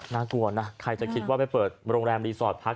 น่ากลัวนะใครจะคิดว่าไปเปิดโรงแรมรีสอร์ทพัก